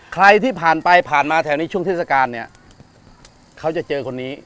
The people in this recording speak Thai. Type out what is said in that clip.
ใครที่ผ่านไปผ่านมาแถวนี้ช่วงเทศกาลเนี่ยเขาจะเจอคนนี้